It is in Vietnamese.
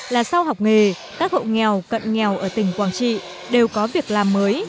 là sau học nghề các hộ nghèo cận nghèo ở tỉnh quảng trị đều có việc làm mới